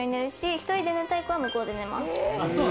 １人で寝たい子は向こうで寝ます。